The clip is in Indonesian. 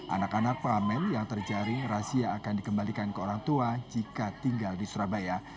anak anak pengamen yang terjaring razia akan dikembalikan ke orang tua jika tinggal di surabaya